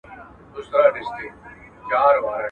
هيبتي ناري به واورئ ..